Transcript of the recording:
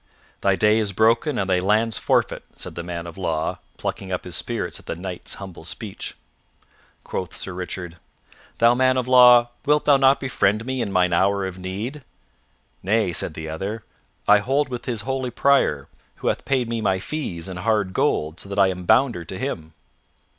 "Thy day is broken and thy lands forfeit," said the man of law, plucking up his spirits at the Knight's humble speech. Quoth Sir Richard, "Thou man of law, wilt thou not befriend me in mine hour of need?" "Nay," said the other, "I hold with this holy Prior, who hath paid me my fees in hard gold, so that I am bounder to him."